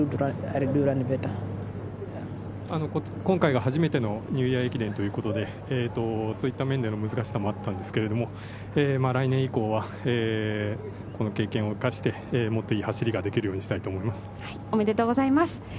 今回が初めてのニューイヤー駅伝ということで、そういった面での難しさもあったんですけど、来年以降はこの経験を生かしてもっといい走りができるようにしたいと思います。